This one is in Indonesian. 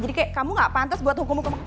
jadi kayak kamu gak pantas buat hukum hukum